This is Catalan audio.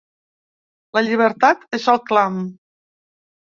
I llibertat és el clam!